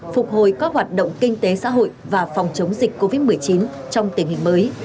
phục hồi các hoạt động kinh tế xã hội và phòng chống dịch covid một mươi chín trong tình hình mới